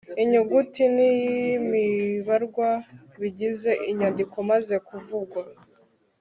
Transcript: Inyuguti n'imibarwa bigize inyandiko imaze kuvugwa